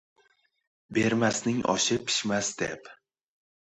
Bermasning oshi pishmas deb!